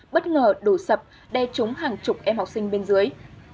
bất ngờ đổ sập đe trúng hàng chục em học sinh bên dưới